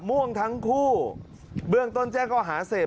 ม่วงทั้งคู่เบื้องต้นแจ้งก็หาเสพ